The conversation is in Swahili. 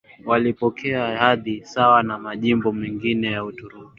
walipokea hadhi sawa na majimbo mengine ya Uturuki